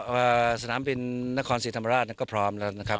ก็สนามบินนครสิทธิ์ธรรมราชก็พร้อมแล้วนะครับ